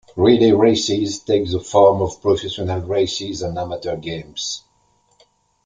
Relay races take the form of professional races and amateur games.